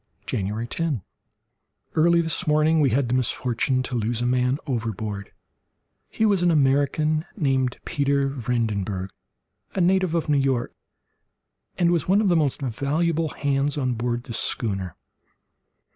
January 10.—Early this morning we had the misfortune to lose a man overboard. He was an American named Peter Vredenburgh, a native of New York, and was one of the most valuable hands on board the schooner.